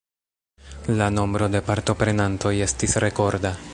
La nombro de partoprenantoj estis rekorda.